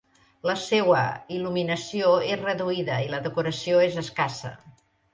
La seua il·luminació és reduïda i la decoració és escassa.